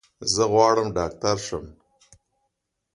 زه غواړم ډاکټر شم.